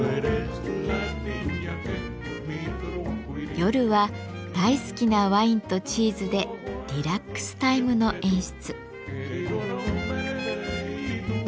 夜は大好きなワインとチーズでリラックスタイムの演出。